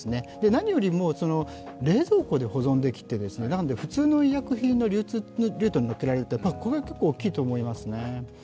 何よりも冷蔵庫で保存できるので普通の医薬品の流通ルートに乗せられるので、これは結構大きいと思いますね。